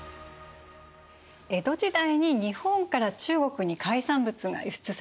江戸時代に日本から中国に海産物が輸出されていたんですね。